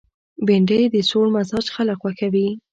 بېنډۍ د سوړ مزاج خلک خوښوي